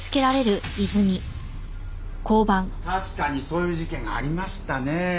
確かにそういう事件がありましたねえ。